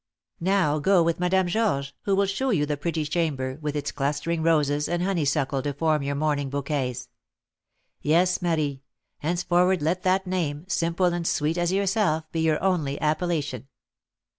Now, go with Madame Georges, who will shew you the pretty chamber, with its clustering roses and honeysuckle to form your morning bouquets. Yes, Marie, henceforward let that name, simple and sweet as yourself, be your only appellation.